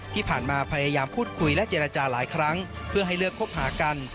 ที่ผ่านมาพยายามพูดคุยและเจรจาหลายครั้งเพื่อให้เลือกคบหากัน